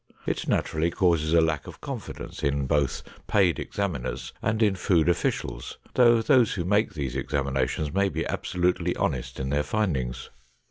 It naturally causes a lack of confidence in both paid examiners and in food officials, though those who make these examinations may be absolutely honest in their findings.